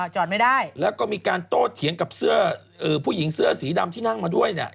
จอดไม่ได้แล้วก็มีการโต้เถียงกับเสื้อผู้หญิงเสื้อสีดำที่นั่งมาด้วยเนี่ย